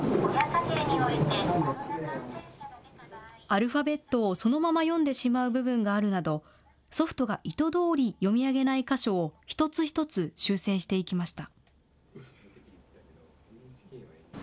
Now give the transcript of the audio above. アルファベットをそのまま読んでしまう部分があるなどソフトが意図どおり読み上げない箇所を一つ一つ修正していきました。